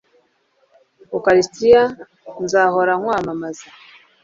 ukaristiya, nzahora nkwamamaza